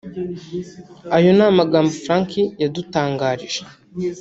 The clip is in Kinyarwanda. ayo ni amagambo Frank yadutangarije